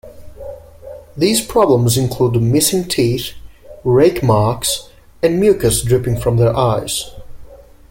These problems include missing teeth, rake marks and mucus dripping from their eyes.